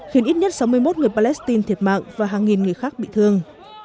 khiến ít nhất sáu mươi một người palestine thiệt mạng và hàng nghìn người khác bị thương